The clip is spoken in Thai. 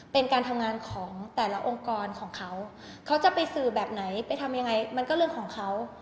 เป็นการทำงานของแต่ละองค์กรของเขาเขาจะไปสื่อแบบไหนไปทำยังไงมันก็เรื่องของเขา